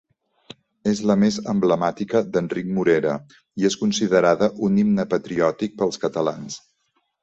És la més emblemàtica d'Enric Morera i és considerada un himne patriòtic pels catalans.